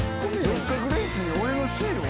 六角レンチに俺のシールを。